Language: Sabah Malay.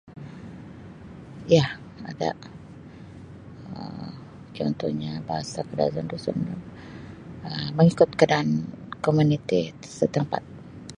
Ya ada Um contohnya bahasa KadazanDusun Um mengikut keadaan komuniti setempat.